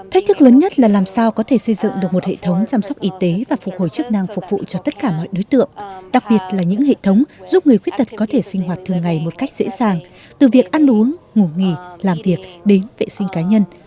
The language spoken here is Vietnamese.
thách thức lớn nhất là làm sao có thể xây dựng được một hệ thống chăm sóc y tế và phục hồi chức năng phục vụ cho tất cả mọi đối tượng đặc biệt là những hệ thống giúp người khuyết tật có thể sinh hoạt thường ngày một cách dễ dàng từ việc ăn uống ngủ nghỉ làm việc đến vệ sinh cá nhân